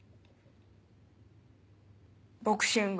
ボクシング